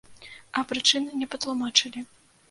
А прычыны не патлумачылі.